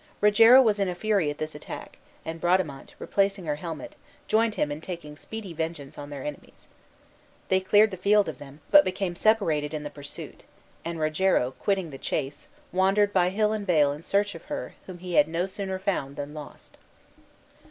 Rogero was in a fury at this attack; and Bradamante, replacing her helmet, joined him in taking speedy vengeance on their enemies. They cleared the field of them, but became separated in the pursuit, and Rogero, quitting the chase, wandered by hill and vale in search of her whom he had no sooner found than lost.